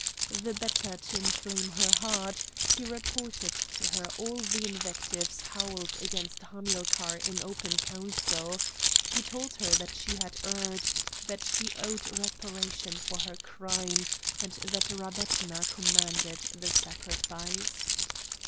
The better to inflame her heart he reported to her all the invectives howled against Hamilcar in open council; he told her that she had erred, that she owed reparation for her crime, and that Rabbetna commanded the sacrifice.